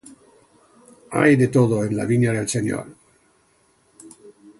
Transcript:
Hay de todo en la vina del Senor.